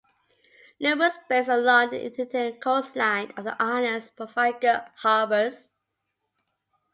Numerous bays along the indented coastline of the islands provide good harbours.